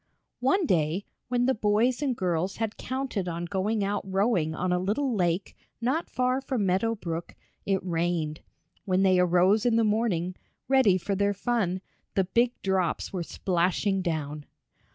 One day, when the boys and girls had counted on going out rowing on a little lake not far from Meadow Brook, it rained. When they arose in the morning, ready for their fun, the big drops were splashing down.